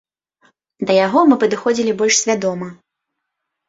Да яго мы падыходзілі больш свядома.